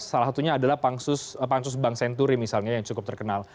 salah satunya adalah pansus bank senturi misalnya yang cukup terkenal